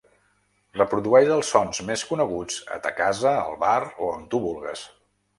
Reprodueix els sons més coneguts a ta casa, al bar o on tu vulgues.